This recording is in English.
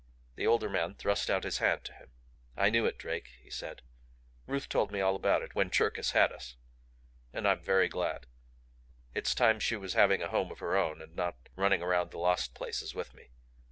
The older man thrust out his hand to him. "I knew it, Drake," he said. "Ruth told me all about it when Cherkis had us. And I'm very glad. It's time she was having a home of her own and not running around the lost places with me.